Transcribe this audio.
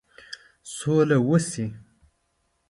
سوله وشي.